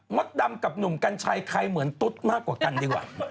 ดำกับหนุ่มกัญชัยใครเหมือนตุ๊ดมากกว่ากันดีกว่า